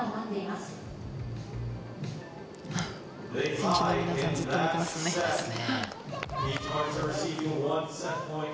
選手の皆さん、じっと見てますね。